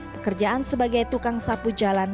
pekerjaan sebagai tukang sapu jalan